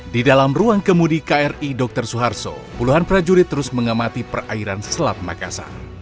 di dalam ruang kemudi kri dr suharto puluhan prajurit terus mengamati perairan selat makassar